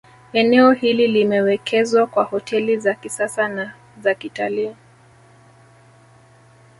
Eneo hili limewekezwa kwa hoteli za kisasa na zakitalii